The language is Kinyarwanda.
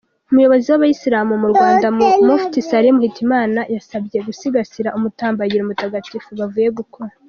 Umuyobozi w’Abayisilamu mu Rwanda, Mufti Salim Hitimana yabasabye gusigasira umutambagiro mutagatifu bavuye gukora.